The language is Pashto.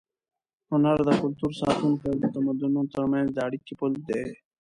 هنر د کلتور ساتونکی او د تمدنونو تر منځ د اړیکې پُل دی.